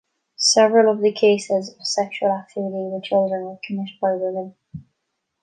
Several of the cases of sexual activity with children were committed by women.